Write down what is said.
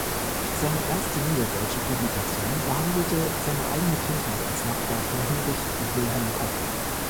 Seine erste niederdeutsche Publikation behandelte seine eigene Kindheit als Nachbar von Hinrich Wilhelm Kopf.